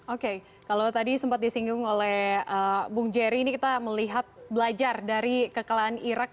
oke kalau tadi sempat disinggung oleh bung jerry ini kita melihat belajar dari kekalahan irak